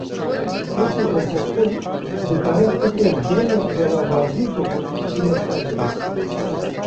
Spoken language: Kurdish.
Kes û rêxistin, dikare fikrên gelek beravajî jî bîne ser ziman